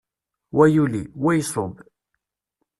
Wa yuli, wa iṣubb.